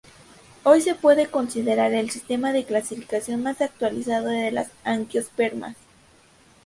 Hoy se puede considerar el sistema de clasificación más actualizado de las angiospermas.